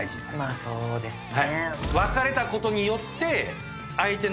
まあそうですね。